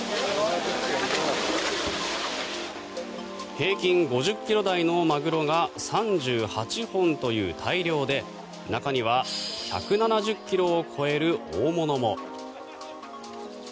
平均５０ｋｇ台のマグロが３８本という大漁で中には１７０ｋｇを超える大物も。